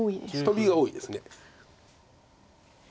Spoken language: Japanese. トビが多いです。